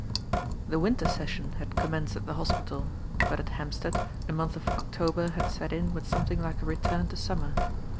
THE winter session had commenced at the hospital, but at Hampstead the month of October had set in with something like a return to summer.